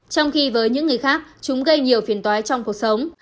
trong khi với những người khác chúng gây nhiều phiền toái trong cuộc sống